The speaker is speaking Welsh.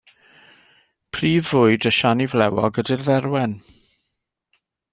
Prif fwyd y siani flewog ydy'r dderwen.